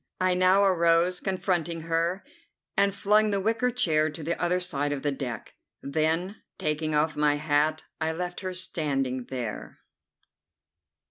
I now arose, confronting her, and flung the wicker chair to the other side of the deck. Then, taking off my hat, I left her standing there.